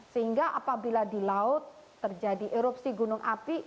sehingga apabila di laut terjadi erupsi gunung api